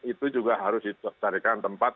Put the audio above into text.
itu juga harus dicarikan tempat